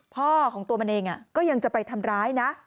พ่อของตัวมันเองก็ยังจะไปทำร้ายนะ